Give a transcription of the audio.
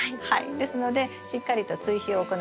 ですのでしっかりと追肥を行って下さい。